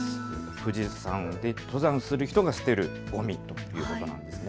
富士山で登山する人が捨てるごみということなんです。